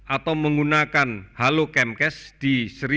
atau menggunakan halo camcash di lima belas ribu lima ratus enam puluh tujuh